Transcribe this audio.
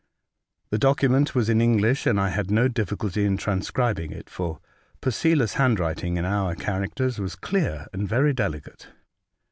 The document was in English, and I had no difficulty in tran scribing it, for Posela's handwriting, in our characters, was clear and very delicate.